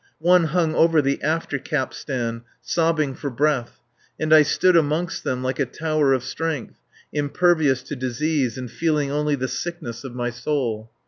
One hung over the after capstan, sobbing for breath, and I stood amongst them like a tower of strength, impervious to disease and feeling only the sickness of my soul.